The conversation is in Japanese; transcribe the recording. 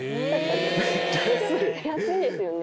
安いですよね。